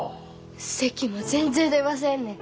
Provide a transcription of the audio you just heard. せきも全然出ませんねん。